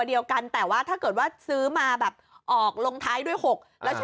เดียวกันแต่ว่าถ้าเกิดว่าซื้อมาแบบออกลงท้ายด้วย๖แล้วใช้